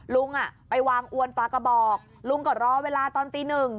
ลุงไปวางอวนปลากระบอกลุงก็รอเวลาตอนตีหนึ่ง